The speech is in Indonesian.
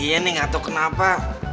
iya nih gak tau kenapa